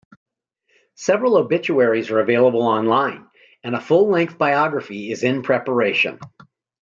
Several obituaries are available online, and a full-length biography is in preparation.